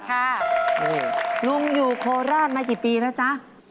ลุงอยู่โคราชมากี่ปีแล้วจ๊ะ